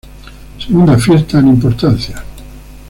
Segunda fiesta en importancia.